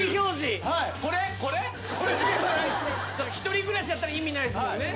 １人暮らしだったら意味ないですもんね。